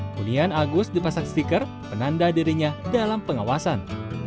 kemudian agus dipasang stiker penanda dirinya dalam pengawasan